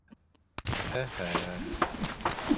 Ә-һә!